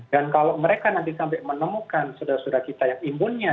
dan kalau mereka nanti sampai menemukan saudara saudara kita yang imunnya